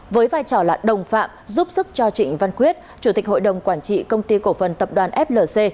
với vai trò là đồng phạm giúp sức cho trịnh văn quyết chủ tịch hội đồng quản trị công ty cổ phần tập đoàn flc